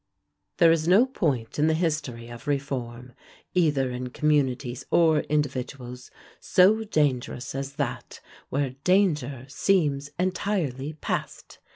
There is no point in the history of reform, either in communities or individuals, so dangerous as that where danger seems entirely past.